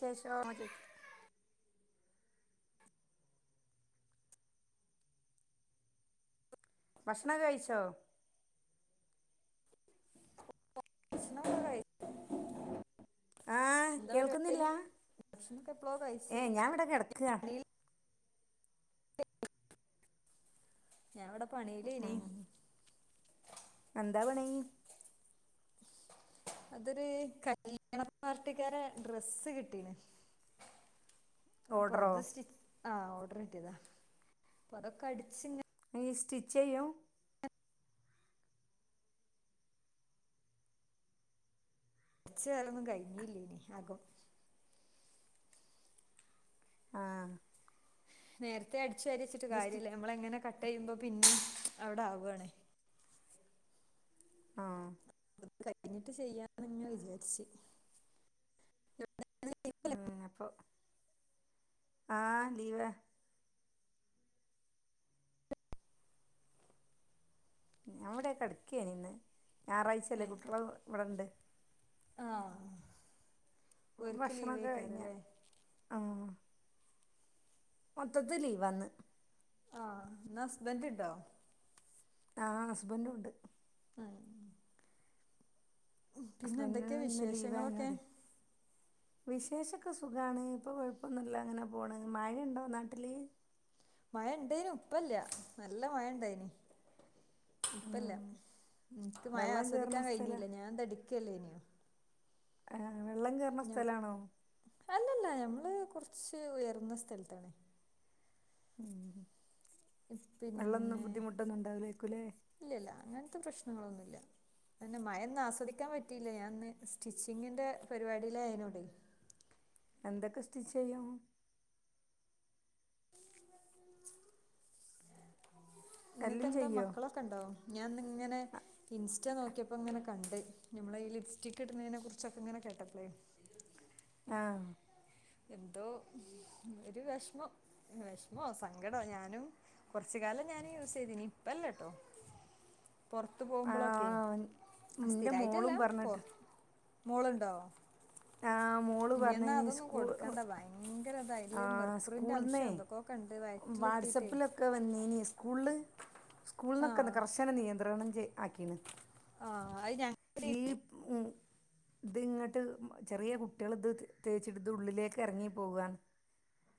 ത്തേശോമ്മ്ച്ച്ക്ക് ഭഷ്ണം കയ്ച്ചോ ഭഷ്ണൊക്കെ കയ് ആഹ ന്താ പരിപാടി കേൾക്കുന്നില്ല ഭഷ്ണൊക്കെപ്പളോ ഏ കയ്ച്ച് ഞാൻ ഇവിടെ കിടക്കുക ഞാനിവ്ടെ പണിയിലേനി എന്താ പണി അതൊര് കല്യാണ പാർട്ടിക്കാരെ ഡ്രെസ്സ് കിട്ടീന് [inaudible] അപ്പൊ അത് സ്റ്റിച്ച് ആഹ് ഓഡറ് കട്ടിയതാ അപ്പൊ അതൊക്കെ അടിച്ച്ങ്ങ നീ സ്റ്റിച്ചെയ്യും ചേലൊന്നും കഴിഞ്ഞില്ലേനി ആക്കും ആഹ് നേരത്തെ അടിച്ച്വാരി വെച്ചിട്ട് കാര്യല്ല ഞമ്മള്ങ്ങനെ കട്ട് ചെയ്യുമ്പോ പിന്നേം അവിടാക്വാണ് ആഹ് കട്ടിങ്ങ്ട്ട് ചെയ്യാന്ന്ങ്ങനെ വിചാരിച്ച് ആഹ് അപ്പൊ ആഹ് ലീവാ ഞാൻവ്ടെ കെടക്കായ്ന് ന്ന് ഞായറാഴ്ചയല്ലേ കുട്ടികള് ഇവിട്ണ്ട് ആഹ് ഓർക്ക് ലീവെയ്ക്കാറല്ലേ ആഹ് മൊത്തത്തി ലീവാന്ന് ആഹ് ഇന്നസ്ബന്റ്ണ്ടോ ആഹ് ഹസ്ബൻഡുംണ്ട് ആഹ് ഹസ്ബൻന് ഇന്ന് വിശേഷങ്ങളൊക്കെ ലീവായ്നോട് വിശേഷൊക്കെ സുഖാണ് ഇപ്പോ കൊഴപ്പൊന്നുല്ല അങ്ങനെ പോണ് മഴയ്ണ്ടോ നാട്ടില് മയയ്ണ്ടേനു ഇപ്പംല്ല നല്ല മയയ്ണ്ടായിനി ഇപ്പ്‌ല്ല എൻക്ക് മയ വെള്ളം കേറുന്ന ആസ്വദ്ക്കാൻ സ്ഥല കയ്ഞ്ഞില്ല ഞാൻതെട്ക്കല്ലേന്യു ആഹ് വെള്ളം കറണ ഞ സ്ഥലാണോ അല്ലല്ല ഞമ്മള് കൊറച്ച് ഉയർന്ന സ്ഥലത്താണ് വെള്ളന്നും ബുദ്ധിമുട്ടൊന്നും ഉണ്ടാവില്ലാരിക്ക്വല്ലേ ഇല്ലില്ല അങ്ങൻത്തെ പ്രശ്നങ്ങളൊന്നുല്ല തന്നെ മഴയ്ന്നും ആസ്വദിക്കാൻ പറ്റിയില്ല ഞാനിന്ന് സ്റ്റിച്ചിങ്ങിന്റെ പരിപാടിയിലായ്ന്നോണ്ടേ എന്തക്കെ സ്റ്റിച്ചെയ്യും എല്ലും ങ്ങക്ക്ന്താ ചെയ്യോ മക്കളൊക്കെണ്ടോ ഞാന്ന്ങ്ങനെ ഇൻസ്റ്റ നോക്കിയപ്പോ ഇങ്ങനെ കണ്ട് നമ്മള് ഈ ലിപ്സ്റ്റിക് ഇടുന്നതിനെ കുറിച്ചൊക്കെ ഇങ്ങനെ കേട്ടപ്പളെ ആഹ് എന്തോ ഒരു വെഷമം വെഷമോ സങ്കടോ ഞാനും, കൊറച്ച് കാലം ഞാനും യൂസ് ചെയ്തിന് ഇപ്പല്ലാട്ടോ. [inaudible] പൊറത്ത് പോകുമ്പളൊക്കെ ആഹ് ഇന്റെ സ്ഥിരായിട്ടല്ല മോളും പറഞ്ഞിട്ട് മോളുണ്ടോ? ആഹ് മോള് ഇനിയെന്നാ പറഞ്ഞിനി അതൊന്നും സ്കൂ കൊടു വെക്കണ്ടാ ഭയങ്കര ഇതാ അതില് ആഹ് മെർക്കുറിന്റെ സ്കൂൾന്നേ അംശം എന്തൊക്കെക്കൊണ്ട് വയറ്റില് ഒക്കെ എത്തിട്ടേ വാട്സപ്പിലൊക്കെ വന്നീനി സ്കൂളിൽ ആ സ്കൂളുന്നൊക്കെ കർശന നിയന്ത്രണം ചെയ് ആക്കീണ് ആഹ് അയ് ഞ ലീപ് ഉം ഇത് ഇങ്ങട്ട് ചെറിയ കുട്ട്യേള് ഇത് തേച്ചിട്ട് ഇത് ഉള്ളിലേക്ക് എറങ്ങി പോകാ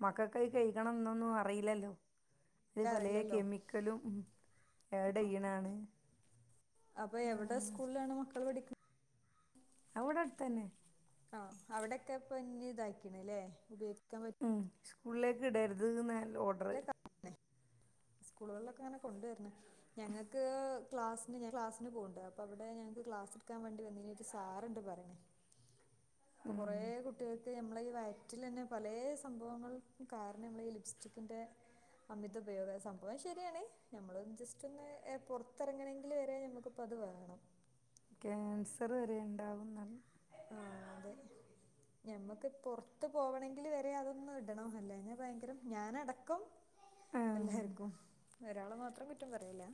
മക്കക്ക് അത് കെയ്കണം എന്നൊന്നും അറിയില്ലല്ലോ ഇത് പലേ അറിയില്ലല്ലോ കെമിക്കലും ആഡ് ചെയ്യുന്നതാണ്. അപ്പ എവിടെ സ്കൂളിലാണ് മക്കൾ പഠിക്കുന്നത് അത് ഇവിടെ അടുത്തന്നെ ആഹ് അവിടൊക്കെ ഇപ്പൊ [unintelligible] ഇതായിക്കണ് ല്ലേ ഉപയോഗിക്കാൻ പറ്റ് സ്കൂളിലേക്ക് ഇടരുതെന്ന് ഓ [unintelligible] സ്കൂളുകളിലൊക്കെ അങ്ങനെ കൊണ്ടുവരുന്നു ഞങ്ങക്ക് ക്ലാസിന്, ഞാൻ ക്ലാസിന് പോന്നുണ്ട്. അപ്പോ അവിടെ ഞങ്ങക്ക് ക്ലാസ് എടുക്കാൻ വേണ്ടി വന്നിന് ഒരു സാറുണ്ട് പറയേണ് ഇപ്പം കൊറേ കുട്ടികൾക്ക് നമ്മള് ഈ വയറ്റിലെന്നെ പലേ സംഭവങ്ങൾ കാരണം നമ്മളെ ഈ ലിപ്സ്റ്റിക്കിൻ്റെ അമിത ഉപയോഗം സംഭവം ശരിയാണ് നമ്മൾ ജസ്റ്റ് ഒന്ന് ഏഹ് പൊറത്തെറങ്ങണെങ്കില് വരെ നമ്മക്ക് ഇപ്പത് വേണം ക്യാൻസർ വരെ ഇണ്ടാവുന്നു പറഞ്ഞു നമ്മക്ക് പൊറത്ത് പോവണങ്കില് വരെ അതൊന്ന് ഇടണം അല്ലെങ്കി ഭയങ്കര ഞാനടക്കം ഉം, എല്ലാര്ക്കും ഒരാളെ മാത്രം കുറ്റം പറയല്ല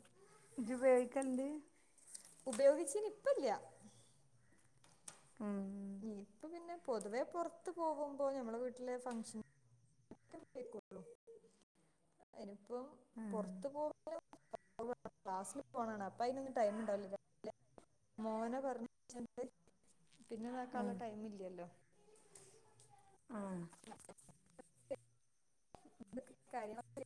ഇജ്ജ് ഉപയോഗിക്കല്ണ്ട് ഉപയോഗിച്ചിന് ഇപ്പല്ല ഉം ഇപ്പം പിന്നെ പൊതുവെ പൊറത്ത് പോകുമ്പോ നമ്മളെ വീട്ടിലെ ഫംഗ്ഷൻ [unintelligible] എനിയിപ്പം ആ, പൊറത്ത് പോ [unintelligible] [unintelligible] ക്ലാസ്സില് പോണാ കാണാ അപ്പം അതിനൊന്നും ടൈം ഇണ്ടാവില്ല [unintelligible] മോനെ പറഞ്ഞയച്ചിട്ട് പിന്നെ ഇതാക്കാനുള്ള ടൈം ഇല്ലല്ലോ ആഹ് [unintelligible]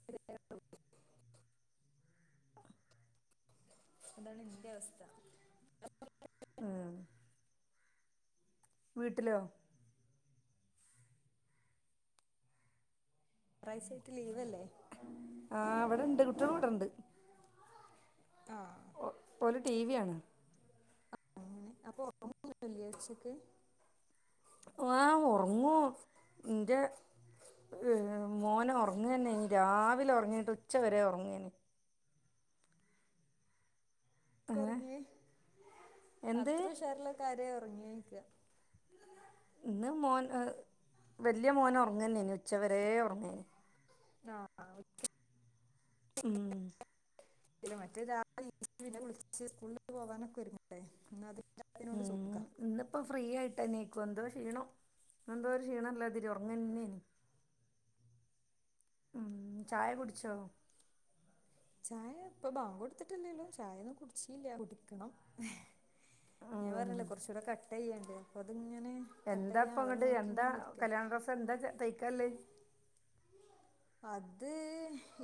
അതാണ് ഇന്റെ അവസ്ഥ ഏഹ് വീട്ടിലോ കൊറെസായിട്ട് ലീവല്ലേ ആഹ് ഇവിടണ്ട് കുട്ടികൾ ഇവിടണ്ട് ആഹ് ഒ ഓല് ടി വി കാണാ അങ്ങനെ അപ്പൊ ഒറങ്ങൊന്നുല്ലേ ഉച്ചക്ക് ആഹ് ഒറങ്ങൂ ഇന്റെ മോന് ഒറങ്ങന്നെയേനി രാവിലെ ഒറങ്ങിയിട്ട് ഉച്ച വരെ ഒറങ്ങേനി [unintelligible] ഏഹ് ഒറങ്ങിയെ എന്ത് അത്ര ഉഷാറിലൊക്കെ ആരെ ഒറങ്ങിയെ ചോയിക്കാ ഇന്ന് മോൻ ഏഹ് വെല്യ മോൻ ഒറങ്ങന്നേനി ഉച്ച വരെ ഒറങ്ങേനി ആഹ് ആഹ് ഉം പിന്നെ മറ്റേ രാവിലെ എണീച്ച് പിന്നെ കുളിച്ച് സ്കൂള് പോകാനൊക്കെ ഒരുങ്ങണ്ടേ ഇന്ന് അതില്ലാത്തനോണ്ട് സുഖാ ഇന്നിപ്പോൾ ഫ്രീ ആയിട്ട എണീക്കു എന്തോ ക്ഷീണോ എന്തോ ഒരു ക്ഷീണം ഉള്ളാതിരി ഒറങ്ങ തന്നെയന് ഉം ചായ കുടിച്ചോ ചായ ഇപ്പൊ ബാങ്ക് കൊടുത്തിട്ടല്ലേ ഉള്ളൂ ചായ ഒന്നും കുടിച്ചീല്ല കുടിക്കണം ഞാൻ ഉം പറഞ്ഞല്ലേ കുറച്ചുകൂടെ കട്ട് ചെയ്യണ്ട് അപ്പൊ അതിങ്ങനെ കട്ട് എന്താ ചെയ്യാൻ ഇപ്പം അളവ് അങ്ങോട്ട് നോക്കി എന്താ ഇങ്ങനെ ഇരിക്ക കല്യാണ ഡ്രസ് എന്താ തയ്ക്കാല്ലേ അത്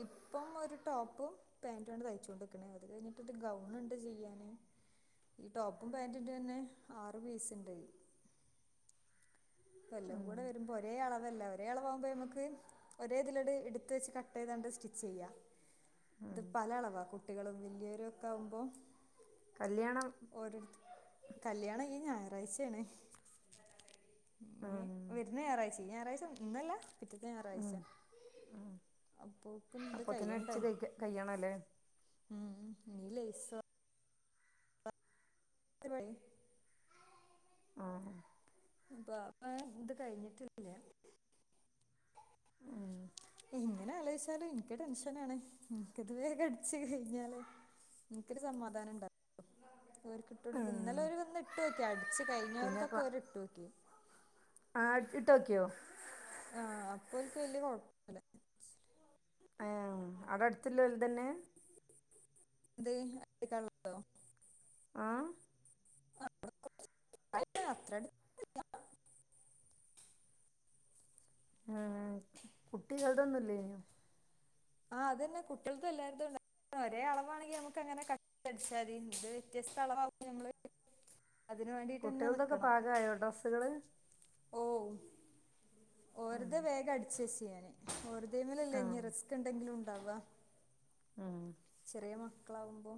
ഇപ്പം ഒരു ടോപ്പും പാന്റ് ആണ് തയ്ച്ചോണ്ട്ക്കണേ അത് കഴിഞ്ഞിട്ട് ഒര് ഗൗൺ ഉണ്ട് ചെയ്യാന് ഈ ടോപ്പും പാറ്റിന്റെ തന്നെ ആറ് പീസ് ഇണ്ട് ഇപ്പൊ എല്ലാം ഉം കൂടെ വരുമ്പോ ഒരേ അളവല്ല ഒരേ അളവ് ആകുമ്പോ നമുക്ക് ഒരേ ഇതിലട് എടുത്ത് വെച്ച് കട്ട് ചെയ്താണ്ട് സ്റ്റിച്ച് ചെയ്യ ഇത് ഉം പല അളവാ കുട്ടികളും വലിയവരും ഒക്കെ ആകുമ്പോ കല്ല്യാണം ഒരു കല്ല്യാണം ഈ ഞായറാഴ്ചയാണ് ഉം ഈ വരുന്ന ഞായറാഴ്ച ഈ ഞായറാഴ്ച ഇന്നല്ല പിറ്റത്തെ ഞായറാഴ്ച അപ്പോക്കും ഇത് അപ്പൊത്തിന് കഴിയണ്ടേ അടിച്ച് കഴി കയ്യണം അല്ലേ ഉം എനി ലൈസ് [inaudible] ആഹ് ബാപ്പ ഇത് കഴിഞ്ഞിട്ടില്ലേ ഇങ്ങനെ ആലോചിച്ചാലും എനിക്ക് ടെൻഷനാണ് എനിക്കിത് വേഗം അടിച്ച് കഴിഞ്ഞാലേ എനിക്കൊരു സമാധാനംണ്ട ഇവരിക്ക് ഇട്ട് കൊടുത്തു ഇന്നലെ ആഹ് ഒര് വന്ന് ഇട്ട് നോക്കി അടച്ച് പിന്നെ കഴിഞ്ഞവർത്തൊക്കെ ക്ലാ ഒരി ഇട്ടുനോക്കി ആഹ് അടിച്ച്ഇട്ട് നോക്കിയോ ആഹ് അപ്പൊ എനിക്ക് വല്യകൊഴ അയ്യോ അകം അടുത്തല്ലതന്നെ എന്ത് [inaudible] ആഹ് - [inaudible] അതെന്തിനാ അത്രഡ ഏഹ് കുട്ടികൾതൊന്നുല്ലേ ആഹ് അതന്നെ കുട്ടികൾക്കും എല്ലായിടത്തുംണ്ട ഒരേ അളവാണെങ്കിൽ നമുക്ക് അങ്ങനെ കട്ട് അടിച്ചാ മതി ഇത് വ്യത്യസ്ത അളവവുംമ്പോ ഞമ്മള് അതിന് വേണ്ടീട്ടന്നെ നിക്കണം. ഇതായോടെസ്‌ [unintelligible] ഓ ആഹ് ഓരോതെ വേഗം അടിച്ച് വെച്ച് ഞാന് വെറുതെമേലല്ലേ ഇനി ആഹ് റെസ് ന്താങ്കിലും ഇങ്ങനെ ഉണ്ടാവുക ആഹ് ചെറിയ മക്കളാവുമ്പോ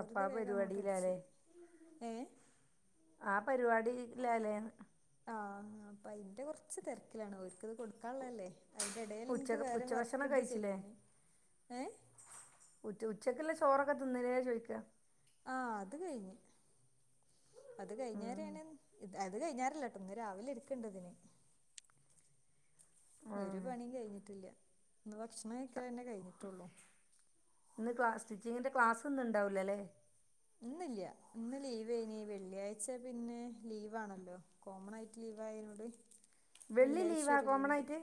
അപ്പൊ ആ വേഗം അങ്ങോട്ട് അടിച്ച് പരിപാടിയിലാല്ലേ ഏഹ് ആഹ് പരിപാടില്ലാല്ലേ ആഹ് അപ്പൊ അതിന്റെ കൊറച്ച് തെരക്കിലാണ് ഒർക്ക് കൊടുക്കാനുള്ളതല്ലേ എടയിൽ നിനിക്ക് ഉച്ചക്ക് വേറെ വർക്ക് ഉച്ചഭക്ഷണം ഇട്ട് കഴിച്ചില്ലേ ചെയ്യാം ഏഹ് ഉച്ചയ്ക്കുള്ള ചോറൊക്കെ തിന്നലേ ചോദിക്കാ ആഹ് അത് കഴിഞ്ഞ് അത് ഉം കഴിഞ്ഞരാണ് അത് കഴിഞ്ഞാലല്ലാട്ടോ ഇന്ന് രാവിലെ എടുക്കണ്ടതിന് ഒരു ആഹ് പണിയും കഴിഞ്ഞിട്ടില്ല ഇന്ന് ഭക്ഷണം വെക്കല് തന്നെ കഴിഞ്ഞിട്ടുള്ളൂ ഇന്ന് ക്ലാസ്സ്‌ സ്സ്റ്റിച്ചിങ്ങിന്റെ ക്ലാസ് ഒന്നുംണ്ടാവില്ലല്ലേ ഇന്നില്ല ഇന്ന് ലീവ്നി വെള്ളിയാഴ്ച പിന്നെ ലീവ ആണല്ലോ കോമൺ ആയിട്ട് ലീവ ആയതോണ്ട് വെള്ളി ലീവകോമണായിട്ട്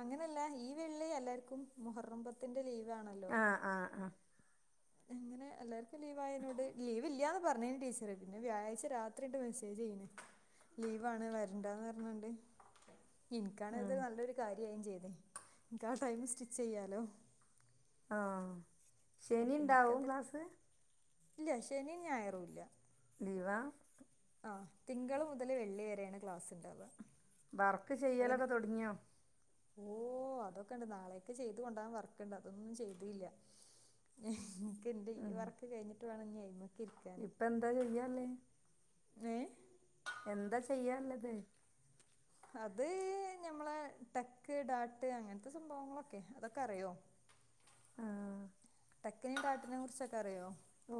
അങ്ങനെയല്ല ഈ വെള്ളി എല്ലാർക്കും മുഹറബത്തിന്റെ ലീവ് ആണല്ലോ ആഹ് ആഹ് അ. [unintelligible] എല്ലാർക്കും ലീവ് ആതിനോട് ലീവ്ല്ലാന്ന് പറഞ്ഞന് ടീച്ചറ് പിന്നെ വ്യാഴാഴ്ച രാത്രി ഇട്ട മെസ്സേജ് അയിന് ലീവാണ് വരണ്ടാന്ന് പറഞ്ഞോണ്ട് ഇക്കാണത് ഉം നല്ലൊരു കാര്യവു ചെയ്ത് എക്ക് ആ ടൈം സ്റ്റിച്ച് ചെയ്യാലോ ആഹ് ശനി ഇണ്ടാവും എനിക്കത് ക്ലാസ് ഇല്ല ശനിയും ഞായറു ഇല്ല ലീവാ ആഹ് തിങ്കള് മുതല് വെള്ളി വരെയാണ് ക്ലാസ് ഇണ്ടാവ. വർക്ക് ചെയ്യലൊക്കെ തൊടങ്ങിയോ ഓ അതൊക്കെ ഉണ്ട് നാളെയൊക്കെ ചെയ്ത് കൊണ്ടോകാൻ വർക്ക്ണ്ട് അതൊന്നും ചെയ്തില്ല നക്ക് എന്റെ ഈ ഉം വറക്ക് കഴിഞ്ഞിട്ട് വേണം ന് അയിമ്മക്ക് ഇരിക്കാന് ഇപ്പ എന്താചെയ്യാല്ലേ ങഹ് എന്താ ചെയ്യാള്ളത് അത് ഞമ്മളെ ടെക്ക് ഡാട്ട് അങ്ങനത്തെ സംഭവങ്ങളൊക്കെ അതൊക്കെ അറിയോ ആഹ് ടക്കിനെയും ഡാട്ടിനെയും കുറിച്ചൊക്കെ അറിയോ ഓ.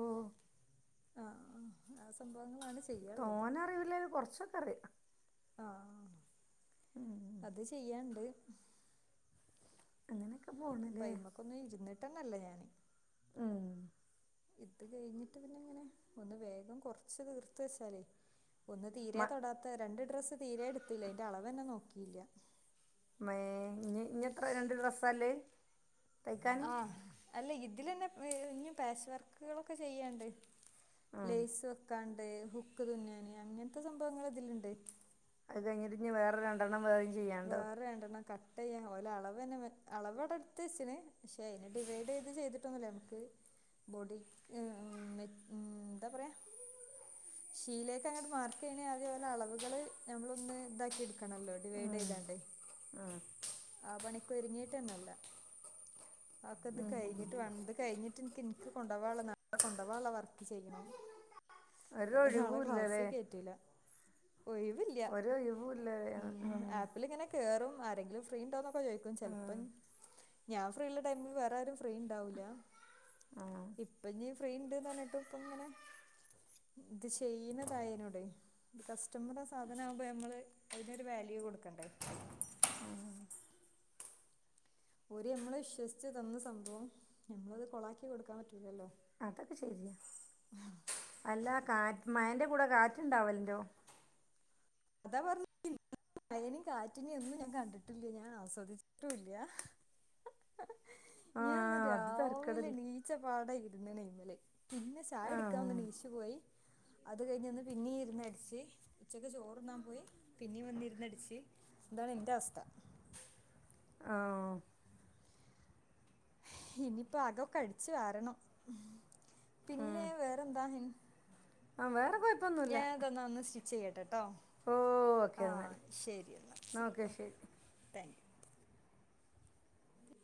ആഹ് ആ ആ സംഭവങ്ങളാണ് ചെയ്യാള്ളത് അറിയില്ലേലും കുറച്ചൊക്കെ അറിയാം ആ അത് ചെയ്യാണ്ട് അങ്ങനെയൊക്ക ഇപ്പൊ അയ്മക്കൊന്നു ഇരുന്നിട്ടന്നല്ല ഞാന് ഉം ഇത് കഴിഞ്ഞിട്ട് പിന്നെ ഇങ്ങനെ ഒന്ന് വേഗം കൊറച്ച് തീർത്ത് വെച്ചാലേ ഒന്ന് മ തീരെ തൊടാത്ത രണ്ട് ഡ്രസ്സ് തീരെ എടുത്തില്ല അതിന്റെ അളവന്നെ നോക്കിയില്ല ഇമ്മേ ഇനി എത്ര രണ്ട് ഡ്രസ്സാ ഇല്ലേ തൈക്കാൻ ആ അല്ല ഇതിലന്നെ ഇഞ്ഞും പാച്ച് വർക്കുകളൊക്കെ ചെയ്യാണ്ട് ഉം ലേസ് വെക്കാണ്ട് ഹുക്ക് തുന്നാന് അങ്ങനത്തെ സംഭവങ്ങൾ ഇതില്ണ്ട് അത് കഴിഞ്ഞിട്ട് ഇനി വേറെ രണ്ടെണ്ണം വേറെയും ചെയ്യാണ്ടോ വേണ്ടെന്നെക്ക ഓലെ അളവ് തന്നെ അളവ് വടെ എടുത്ത് വച്ച്ണ് പക്ഷെ അയിനെ ഡിവൈഡ് ചെയ്ത് ചെയ്തിട്ടൊന്നുല നമ്മക്ക് ബോഡി വെൻ എന്താ പറയാ ഷീലേക്ക് അങ്ങോട്ട് മാർക്ക് ചെയ്യണേൽ ആദ്യം ഓലെ അളവുകള് നമ്മള് ഒന്ന് ഇതാക്കി എടുക്കണല്ലോ ടി ഉം ചെയ്താണ്ട് ഉം ആ പണിക്കൊരുങ്ങീട്ടന്നെല്ല അക്കെ ഇത് കഴിഞ്ഞി ട്ട് ഇത് കഴിഞ്ഞിട്ട് എനിക്ക് എനിക്ക് കൊണ്ടോവാള്ള നല്ല കൊണ്ടോവാള്ള വർക്ക് ചെയ്യണം അല്ലേ നാളെ ക്ലാസ്സി ഒരൊഴിവൂല്ലല്ലേ കയറ്റുല്ല ഒഴിവില്ല ഒരൊഴിവുല്ല ഉം ആഹ് ഓലിങ്ങനെ കേറും ആരെങ്കിലും ഫ്രീ ഉണ്ടോന്നൊക്കെ ചോയിക്കും ചിലപ്പൻ ആഹ് ഞാ ഫ്രീള്ള ടൈമില് വേറെ ആരും ഫ്രീ ഉണ്ടാവൂല ആഹ് ഇപ്പ ഇനി ഫ് ഫ്രീണ്ട്ന്ന് പറഞ്ഞിട്ട് ഇപ്പ ഇങ്ങനെ ഇത് ചെയ്യുന്നതായനൊടെ. കസ്റ്റമറ സാധനാകുമ്പോ നമ്മള് അതിനൊരു വാല്യൂ കൊടുക്കണ്ടേ ആഹ് ഓര് നമ്മളെ വിശ്വസിച്ചു തന്ന സംഭവം നമ്മളത് കൊളാക്കി കൊടുക്കാൻ പറ്റൂലല്ലോ അതൊക്കെ ശരിയാ അല്ല കാറ്റ് മഴന്റെ കൂടെ കാറ്റ് ഇണ്ടാവല്ണ്ടോ അതാ പറഞ്ഞെ മഴനെയും കാറ്റിനെയും ഒന്നും ഞാൻ കണ്ടിട്ടില്ല ഞാൻ ആസ്വദിച്ചിട്ടുല്ല ഞാൻന്ന് ആഹ് അത് രാവിലെ തരക്കേടില്ല നീച്ച പാടെ ഇരുന്നണ് ഈമല് പിന്നെ ചായ കുടിക്കാൻ ആഹ് ഒന്നെണീച്ചു പോയി അത് കഴിഞ്ഞന്ന് പിന്നി ഇരുന്ന് അടിച്ച് ഉച്ചക്ക് ചോ ർ തിന്നാൻ പോയി പിന്നിം വന്നിരുന്നടിച്ച് ഇതാണ് ഇന്റെ അവസ്ഥ ആഹ ഇനിപ്പോ അകൊക്കെ അടിച്ചു വാരണം പിന്നെ വേറെന്താ ഹിം ആ വേറെ കൊയ ഞാതെന്നാ ഒന്ന് സ്റ്റിച്ച് ചെയ്യട്ടെട്ടോ ഓഹ് ഓക്കെ ആ എന്നാൽ ശരിന്നാ ശരി ഓക്കെ താങ്ക്യു